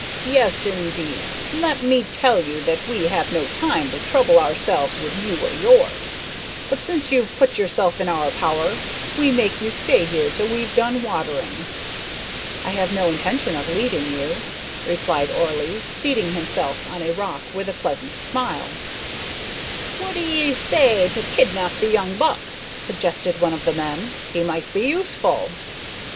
"Yes, indeed, and let me tell you that we have no time to trouble ourselves wi' you or yours; but since you've put yourself in our power, we make you stay here till we've done watering." "I have no intention of leaving you," replied Orley, seating himself on a rock, with a pleasant smile. "What d'ee say to kidnap the young buck?" suggested one of the men; "he might be useful."